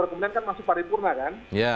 kemudian kan masuk pari purna kan